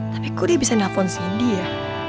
tapi kok dia bisa nelfon cindy ya